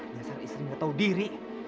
dasar istri nggak tahu diri